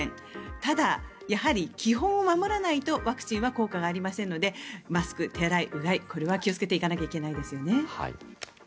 ただ、やはり基本を守らないとワクチンは効果がありませんのでマスク、手洗い、うがいこれは気をつけていかなきゃいけないです。